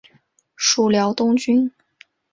属辽东郡。